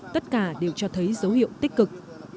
tất cả đều cho thấy dấu hiệu tích cực